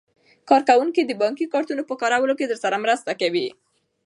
کارکوونکي د بانکي کارتونو په کارولو کې درسره مرسته کوي.